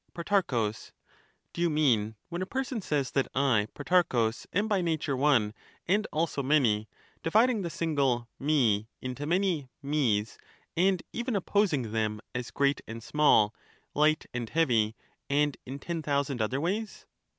Pro, Do you mean, when a person says that I, Protarchus, am by nature one and also many, dividing the single * me ' into many 'me's,' and even opposing them as great and small, light and heavy, and in ten thousand other ways